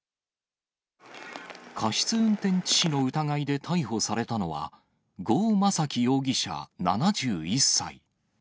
過失運転致死の疑いで逮捕されたのは、呉昌樹容疑者７１歳。